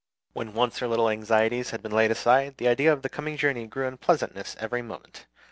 When once her little anxieties had been laid aside, the idea of the coming journey grew in pleasantness every moment.